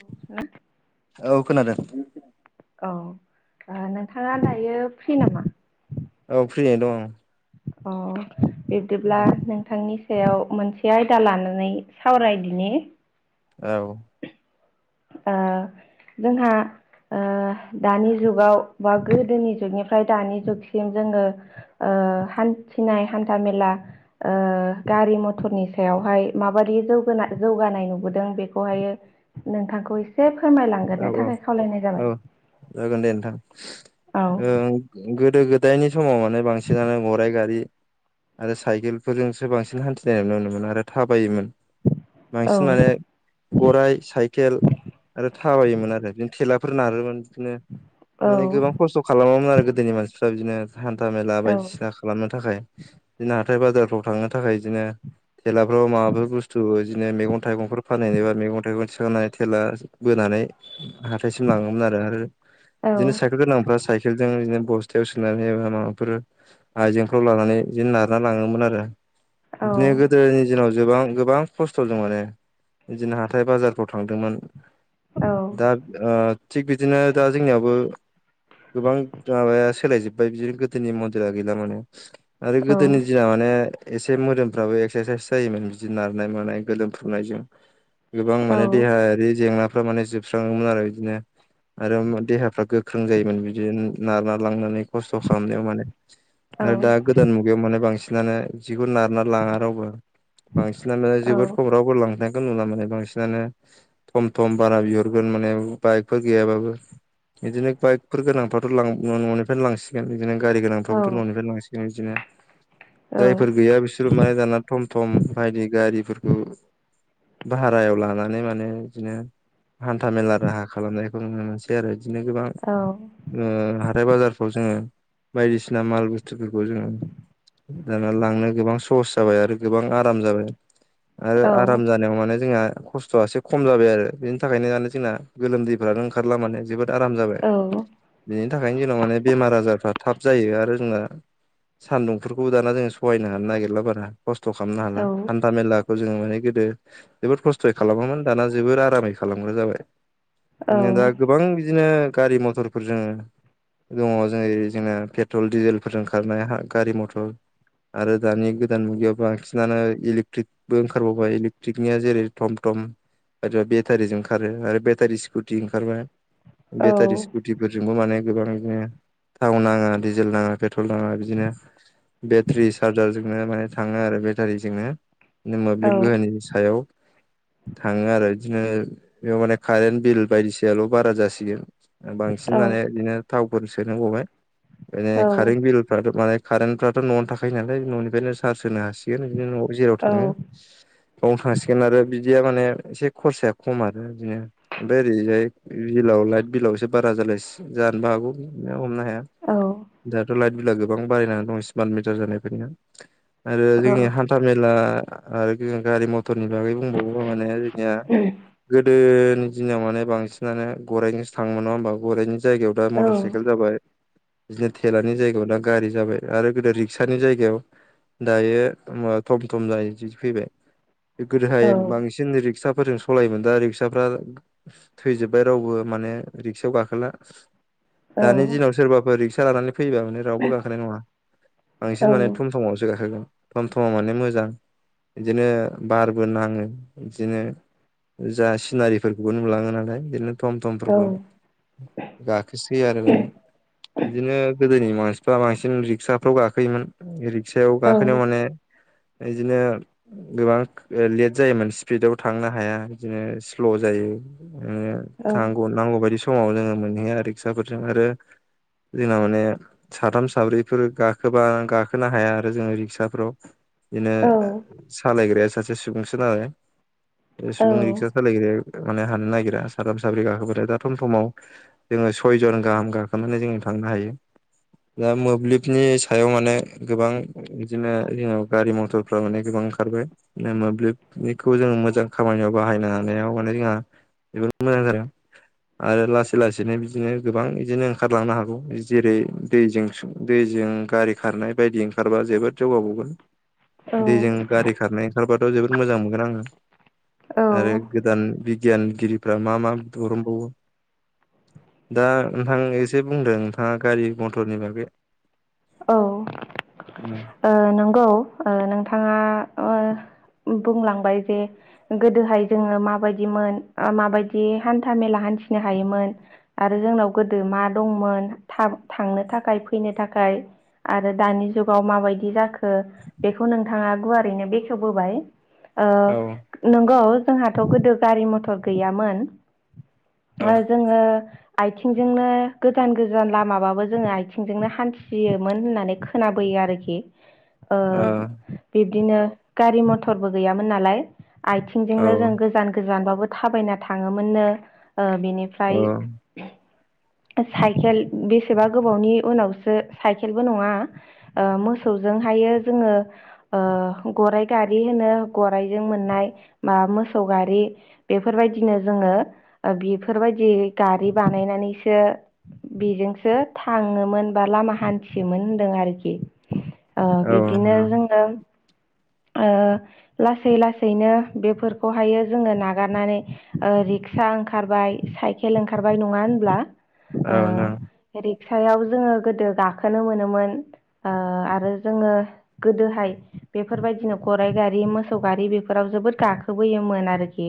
औ औ खोनादों, औ नोंथाङा दायो फ्रि नामा? औ फ्रिैयैनो दं आं, ! अ बिबदिब्ला नोंथांनि, सायाव मोनसे आयदा लानानै सावरायदिनि औ, ! ओ जोंहा ओ दानि जुगाव बा गोदोनि जुगनिफ्राय दानि जुगसिम जोङो ओ ओ हान्थिनाय हान्था मेला ओ गारि मथरनि सायावहाय माबायदि जौगानाय नुबोदों बेखौहायो नोंथांखौ एसे औ फोरमायलांग्रोनो औ थाखाय खावलायनाय औ जाबाय जागोन दे नोंथां। औ ओ गोदो गोदायनि समाव माने बांसिनानो गराइ गारि आरो साइकेलफोरजोंसो बांसिन हान्थिनाय नुनो मोनो आरो थाबायोमोन औ बांसिन माने गराय साइकेल आरो जायोमोन आरो बिदिनो थेलाफोर नारोमोन बिदिनो औ मानि गोबां खसथ' खालामोमोन आरो गोदोनि मानसिफ्रा बिदिनो हान्था मेला औ बायदिसिना खालामनो थाखाय जों हाथाइ बाजारफ्राव थांनो थाखाय बिदिनो थेलाफ्राव माबाफोर बुस्थु बिदिनो मैगं थाइगंफोर फानहनोबा मैगं थाइगं थिखांनानै थेला बोनानै हाथायसिम लाङोमोन आरो आरो बिदिनो औ साइकेल गोनांफ्रा साइकेलजों बिदिनो बस्थायाव सोनानै एबा माबाफोर आइजेंफ्राव लानानै बिदिनो नारना लाङोमोन आरो बिदिनो गोदोनि दिनाव गोबां गोबां खस्थ'जों माने बिदिनो हाथाय बाजारफ्राव थांदोंमोन दा ओ थिग बिदिनो दा जोंनियावबो गोबां माबाया सोलायजोब्बाय बिदिनो गोदोनि मन्दिरा गैला माने आरो गोदोनि दिना माने एसे मोदोमफ्राबो एक्सारसाइस जायोमोन बिदि नारनाय मानाय गोलोमफ्रुनायजों। गोबां माने देहायारि जेंनाफ्रा माने जोबस्राङोमोन आरो बिदिनो आरो देहाफ्रा गोख्रों जायोमोन बिदिनो नारना लांनानै खस्थ' खालामनायाव माने। आरो दा गोदान मुगायाव माने बांसिनानो बिदिखौ नारना लाङा रावबो बांसिनानो माने जोबोद खम रावबो लांआ नुला माने बांसिनानो थम थम बारा बिहरगोन माने बाइकफोर गैयाबाबो बिदिनो बाइकफोर गोनांफ्राथ' लां न'निफ्रायनो लांसिगोन बिदिनो गारि गोनांफ्राबोथ' न'निफ्राय लांसिगोन बिदिनो जायफोर गैया बिसोरो माने दाना थम थम बायदि गारिफोरखौ भारायाव लानानै माने बिदिनो हान्था मेला राहा खालामनायखौ नुनो मोनसै आरो बिदिनो गोबां ओ हाथाइ बाजारफ्राव जोङो बायदिसिना माल बुस्थुफोरखौ जोङो दाना लांनो गोबां सहस जाबाय आरो गोबां आराम जाबाय आरो आराम जानायाव माने जोंहा खस्थ'आ एसे खम जाबाय आरो बेनि थाखायनो माने जोंना गोलोमदैफ्रानो ओंखारला माने जोबोद आराम जाबाय बिनि थाखायनो जोंनाव माने बेमार आजारफ्रा थाब जायो आरो जोंना सान्दुंफोरखौबो दाना जोंङो सहायनो हानो नागिरला बारा खस्थ खालामनो हाला हान्था मेलाखौ जोङो माने गोदो जोबोद खस्थयै खालामामोन दाना जोबोर आरामै खा लामग्रा जाबाय ओम दा गोबां बिदिनो गारि मथरफोर जोङो दङ जै जोङो पेट्रल डिजेलफोरजों खारनाय हा गारि मथर आरो दानि गोदान मुगायाव बांसिनानो इलेकट्रिकबो ओंखारबावबाय इलेक्ट्रिकनिया जेरै टम टम [unintelligible] आरो बे बेटारिजों खारो आरो बेटारि स्कुटि ओंखारबाया बेटारि स्कुटिफोरजोंबो माने गोबां बिदिनो थाव नाङा डिजेल नाङा पेट्रल नाङा बिदिनो बेट्रेरि चार्जारजोंनो माने थाङो आरो बेटारिजोंनो नों मोब्लिब गोहोनि सायाव थाङो आरो बिदिनो बेयाव माने कारेन्ट बिल बायदिसियाल बारा जासिगोन ओ बांसिन माने बिदिनो थावफोर सोनो गबाय बिदिनो कारेन्ट बिलफ्राथ माने कारेन्टफ्राथ नआवनो थाखायो नालाय ननिफ्रायनो सार्स होनो हसिगोन बिनिन उनाव जेराव थाङो औ बेयावनो थांसिगोन आरो बिदिया माने एसे खरसाया खम आरो बिदिनो ओमफ्राय ओरैजाय बिलाव लाइट बिलावसो बारा जालाय सि जानबा हागौ हमनो हाया दाथ लाइट बिला गोबां बारायनानै दं स्मार्ट मिटार जानायनिफ्रायनो आरो जोंनि हान्था मेला आरो गारि मथरनि बागै बुंबावो माने जोंनिया गोदोनि दिनाव माने बांसिनानो गराइजोंसो थाङोमोन नङा होमबा गराइनि जायगायाव दा मटर साइकेल जाबाय बिदिनो थेलानि जायगायाव दा गारि जाबाय आरो गोदो रिक्सानि जायगायाव दायो मा थम थम गारिसो फैबाय गोदोहाय बांसिन रिक्साफोरजों सलायोमोन दा रिक्साफ्रा थैजोब्बाय रावबो माने रिक्सायाव गाखोला दानि दिनाव सोरबाफोर रिक्सा लानानै फैबा माने रावबो गाखोनाय नङा बांसिन माने थम थम आवसो गाखोगोन थम थमाव माने मोजां इदिनो बारबो नाङो बिदिनो जा सिनारिफोरखौबो नुलाङो नालाय बिदिनो थम थमफोरखौ गाखोसै आरो बिदिनो गोदोनि मानसिफ्रा बांसिन रिक्साफ्राव गाखोयोम इ रिक्सायाव गाखोनायाव माने बिदिनो गोबां ओ लेट जायोमोन स्पीडाव थांनो हाया बिदिनो स्ल जायो ओ खांगौ नांगौ बायदि समावनो मोनहैया रिक्साफोरजों आरो जोंना माने साथाम साब्रैफोर गाखोबा गाखोनो हाया आरो जोङो रिक्साफ्राव बिदिनो सालायग्राया सासे सुबुंसो नालाय [unintelligible] रिक्सा सालायग्राया माने हानो नागिरा साथ्राम साब्रै गाखोबाथाय दा थम थममाव जोङो सयजन गाहाम गाखोनानै जोङो थां नो हायो दा मोब्लिबनि सायाव माने गोबां बिदिनो जोङो गारि मथरफ्रा माने गोबां ओंखारबाय मोब्लिबनिखौ जोङो मोजां खामानियाव बाहायनो हानायाव माने जोंहा जोबोर मोजां जादों। आरो लासै लासैनो बिदिनो गोबां इदिनो ओंखारलांनो हागौ जेरै दैजों सुब दै जों गारि खारनाय बायदि ओंखारबा जोबोद जौगाबावगोन। दैजों गारि खारनाय ओंखारबाथ' जोबोद मोजां मोनगोन आङो। आरो गोदान बि गियानगिरिफ्रा मा मा दरनबावो। दा नोंथां एसे बुंदो नोंथाङा गारि मथरनि बागै। औ ओ नंगौ ओ नोंथाङा ओ बुंलांबाय जे गोदोहाय जोङो माबायदिमोन ओ माबायदि हान्था मेला हान्थि नो हायोमोन आरो जोंनाव गोदो मा दंमोन था-थांनो थाखाय फैनो थाखाय। आरो दानि जुगाव माबायदि जाखो बेखौ नोंथाङा गुवारैनो बेखेवबोबाय। ओ औ नंगौ जोंहाथ' गोदो गारि मथर गैयामोन। औ ओ जोङो आइथिंजोंनो गोजान गोजान लामाबाबो जोङो आइथिंजोंनो हान्थियो मोन होननानै खोनाबोयो आरोखि। ओ औ बिब दिनो गारि मटरबो गैयामोन नालाय आइथिंजोंनो औ जों गोजान गोजानबाबो थाबायना थाङोमोननो ओ औ बिनिफ्राय साइकेल बेसेबा गोबावनि उनावसो साइकेलबो नङा ओ मोसौजोंहायो जोङो ओ गराइ गारि हो नो गरायजों मोननाय मा मोसौ गारि बेफोरबायदिनो जोङो ओ बि बेफोरबायदि गारि बानायनानैसो बेजोंसो थाङोमोन बा लामा हान्थियोमोन होनदों आरखि ओ बिब्दिनो नोंथां जोङो ओ लासै लासैनो बेफोरखौहायो जोङो नागारनानै ओ रिक्सा ओंखारबाय, साइकेल ओंखारबाय, नङा होमब्ला? औ नोंथां ओ रिक्सायाव जोङो गोदो गा खोनो मोनोमोन ओ आरो जोङो गोदोहाय बेफोरबायदिनो गराइ गारि मोसौ गारि बेफोराव जोबोद गाखोबोयोमोन आरखि।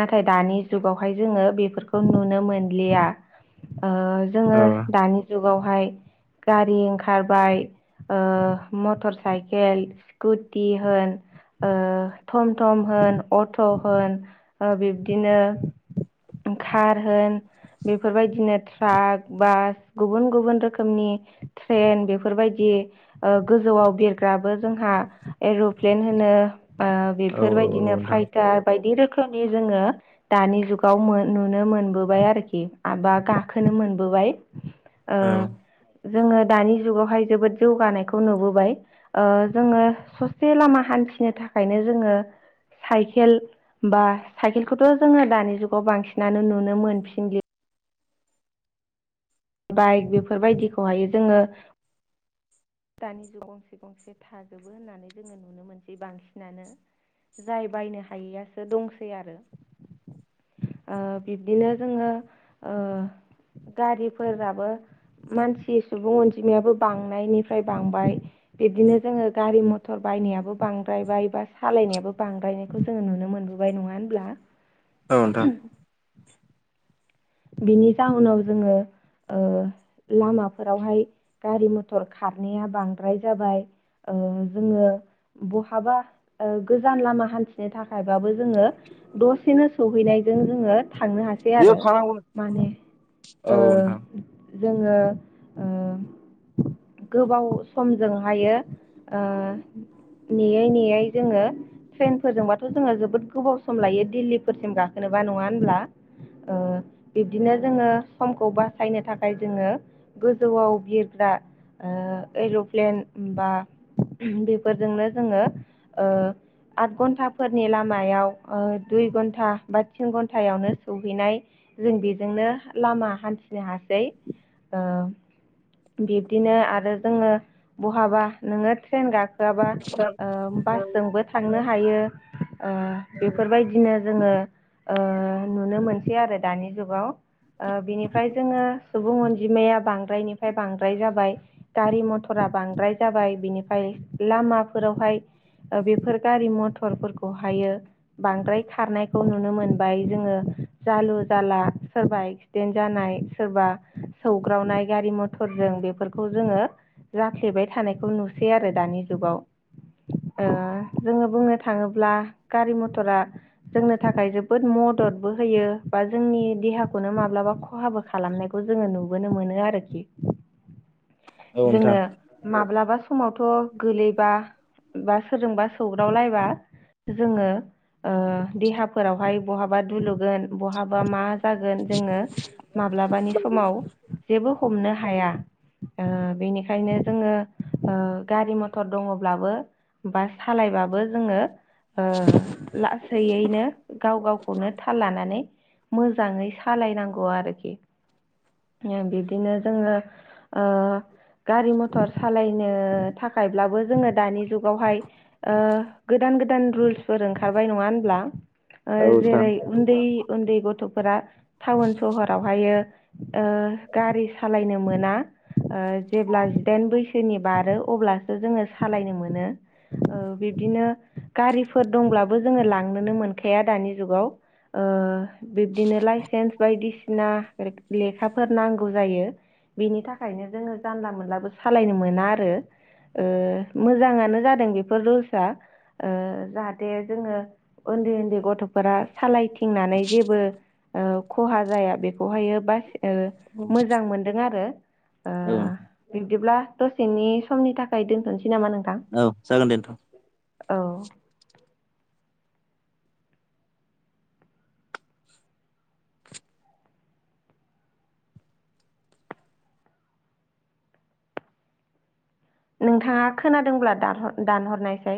नाथाय दानि जुगावहाय जोङो बेफोरखौ नुनो मोनलिया। ओ जोङो औ दानि जुगावहाय गारि ओंखारबाय। ओ मटर साइकेल स्कुटि होन ओ थम थम होन अट' होन ओ बिब्दिनो ओं खार होन बेफोरबायदिनो ट्राक, बास, गुबुन गुबुन रोखोमनि ट्रेन बेफोरबायदि ओ गोजौआव बिरग्राबो जोंहा एर'प्लेन होनो बा औ औ औ बेफोरबायदिनो नोंथां फाइटार बायदि रोख खोमनि जोङो दानि जुगाव मो नुनो मोनबोबाय आरखि आ बा गाखोनो मोनबोबाय। ओ औ औ जोङो दानि जुगावहाय जोबोद जौगानायखौ नुबोबाय ओ जोङो ससे लामा हान थिनो थाखायनो जोङो साइकेल बा साइकेलखौथ' जोङो दानि जुगाव बांसिनानो नुनो मोनफिनलि बाइक बेफोरबायदिखौहाय जोङो दानि जुगाव गंसे गंसे थाजोबो होननानै जोङो नुनो मोनसै बांसिनानो। जाय बायनो हायैयासो दंसै आरो। ओ बिब्दिनो जोङो ओ गारिफोराबो मानसि सुबुं अनजिमायाबो बांनायनि फ्राय बांबाय बिदिनो जोङो गारि मथर बायनायाबो बांद्रायबाय बा सालायनायाबो बांद्राय नायखौ जोङो नुनो मोनबोबाय नङा होनब्ला। औ नोंथां। बिनि जाहोनाव जोङो ओ लामाफोरावहाय गारि मथर खारनाया बांद्राय जाबाय। ओ जोङो बहाबा ओ गोजान लामा हान्थिनो थाखायबाबो जोङो दसेनो सहैनायजों जोङो थांनो हासै बेयाव आरो थानांगौ माने औ ओ नोंथां जोङो ओ गोबाव समजोंहायो ओ नेयै नेयै जोङो ट्रेनफोरजोंबाथ' जोङो जोबोद गोबाव सम लायो दिल्लीफोरसिम गाखोनोबा नङा होनब्ला। ओ बिब्दिनो जोङो समखौ बासायनो थाखाय जोङो गोजौआव बिरग्रा ओ एर'प्लेन बा बेफोरजोंनो जोङो ओ आथ घन्टाफोरनि लामायाव ओ दुइ घन्टा बा थिन घन्टायावनो सहैनाय जों बेजोंनो लामा हान्थिनो हासै ओ बिब्दिनो आरो जोङो बहाबा नोङो ट्रेन गाखोआबा ओ बासजोंबो थांनो हायो ओ बेफोरबायदिनो जोङो ओ नुनो मोनसै आरो दानि जुगाव ओ बिनिफ्राय जोङो सुबुं अनजिमाया बांसिन बांद्रायनिफ्राय बांद्राय जाबाय गारि मथरा बांद्राय जाबाय बिनिफ्राय लामाफोरावहाय ओ बेफोर गारि मथरफोरखौहायो बांद्राय खारनायखौ नुनो मोनबाय जोङो जालु जाला सोरबा एक्सिदेन्ट जानाय सोरबा सौग्रावनाय गारि म टरजोङो बेफोरखौ जोङो जाफ्लेबाय थानायखौ नुसै आरो दानि जुगाव ओ जोङो बुंनो थाङोब्ला गारि मटरा जोंनो थाखाय जोबोद मददबो होयो। बा जोंनि देहाखौनो माब्लाबा खहाबो खालामनायखौ जोङो नुबोनो मोनो आरोखि औ नोंथां जोङो माब्लाबा समावथ' गोलैबा बा सोरजोंबा सौग्रावलायबा जोङो ओ देहाफोरावहाय बहाबा दुलुगोन बहाबा मा जागोन जोङो माब्लाबानि समाव जेबो हमनो हाया ओ बेनिखायनो जोङो ओ गारि मथर दङब्लाबो बा सालायबाबो जोङो ओ लासैयैनो गाव गावखौनो थाल लानानै मोजाङै सालायनांगौ आरोखि बिदिनो जोङो ओ गारि मथर सालायनो थाखायब्लाबो जोङो दानि जुगावहाय ओ गोदान गोदान रुल्सफोर ओंखारबाय नङा होनब्ला ओ औ जेरै नोंथां उन्दै उन्दै गथ'फोरा टाउन सहरावहायो ओ गारि सालायनो मोना ओ जेब्ला जिदाइन बैसोनि बारो अब्लासो जोङो सालायनो मोनो ओ बिब्दिनो गारिफोर दंब्लाबो जोङो लांनोनो मोनखाया दानि जुगाव ओ बिब्दिनो लाइसेन्स बायदि बिसिना लेखाफोर नांगौ जायो। बिनि थाखायनो जोङो जानला मोनलाबो सालायनो मोना आरो ओ मोजाङानो जादों बेफोर रुल्सआ ओ जाहाथे जोङो उन्दै उन्दै गथ'फोरा सालायथिंनानै जेबो ओ खहा जाया बेखौहायो बासा यो मोजां मोनदों आरो ओ बिब्दिब्ला दसेनि समनि थाखाय दोनथ'नोसै नामा नोंथां औ जागोन दे नोंथां। औ नोंथाङा खोनादोंब्ला दा दानहरनायसै।